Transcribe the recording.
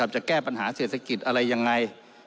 จะแก้ปัญหาเศรษฐกิจอะไรยังไง